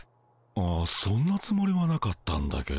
ああそんなつもりはなかったんだけど。